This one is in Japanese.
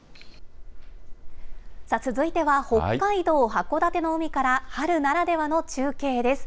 さあ、続いては北海道函館の海から、春ならではの中継です。